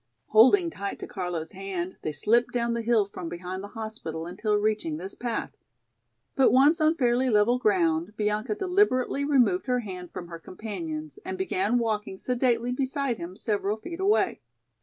Holding tight to Carlo's hand, they slipped down the hill from behind the hospital until reaching this path. But once on fairly level ground, Bianca deliberately removed her hand from her companion's and began walking sedately beside him several feet away.